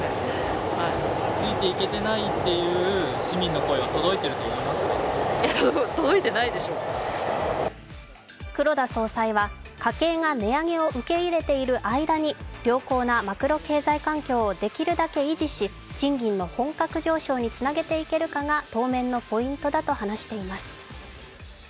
街の人に聞いてみると黒田総裁は、家計が値上げを受け入れている間に良好なマクロ経済環境をできるだけ維持し賃金の本格上昇につなげていけるかが当面のポイントだと話しています。